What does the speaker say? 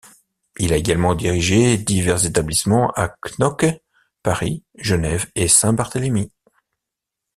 Il a également dirigé divers établissements à Knokke, Paris, Genève et Saint-Barthélemy.